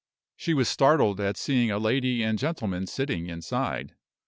She was startled at seeing a lady and gentleman sitting inside.